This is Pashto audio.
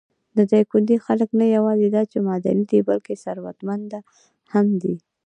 د دايکندي خلک نه یواځې دا چې معدني دي، بلکې ثروتمنده هم دي.